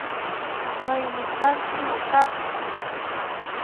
Kainitaki nothapiki